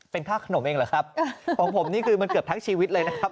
เป็นค่าขนมเองเหรอครับของผมนี่คือมันเกือบทั้งชีวิตเลยนะครับ